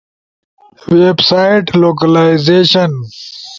ویب سائٹ لوکلائزیشن